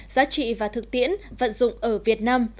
giá trị và thực tiễn vận dụng ở việt nam